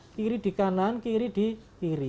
kiri di kanan kiri di kiri